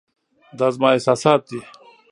دا زما احساسات دي .